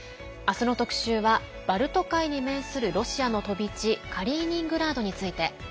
あすの特集はバルト海に面するロシアの飛び地カリーニングラードについて。